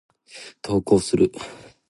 投稿する。